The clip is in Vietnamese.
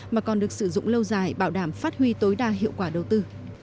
mà còn được sử dụng lâu dài bảo đảm phát huy tối đa hiệu quả đầu tư